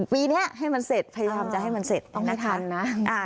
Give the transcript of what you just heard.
ปีนี้ให้มันเสร็จพยายามจะให้มันเสร็จนะคะ